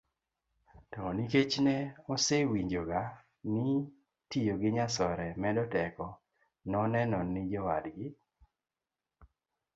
to nikech ne osewinjoga ni tiyo gi nyasore medo teko noneno ni jowadgi